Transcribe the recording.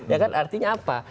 ya kan artinya apa